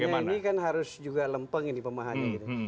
pemahamannya ini kan harus juga lempeng ini pemahamannya